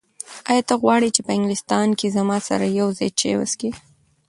ایا ته غواړې چې په انګلستان کې زما سره یو ځای چای وڅښې؟